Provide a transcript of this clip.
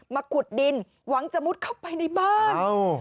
ขุดดินหวังจะมุดเข้าไปในบ้าน